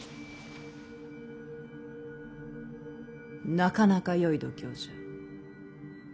なかなかよい度胸じゃ。